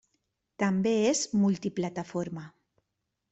També és multiplataforma.